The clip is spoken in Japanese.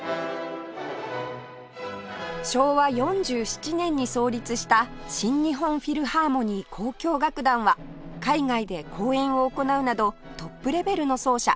昭和４７年に創立した新日本フィルハーモニー交響楽団は海外で公演を行うなどトップレベルの奏者